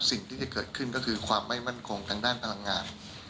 สิ่งที่จะเกิดขึ้นก็คือความไม่มั่นคงทางด้านพลังงาน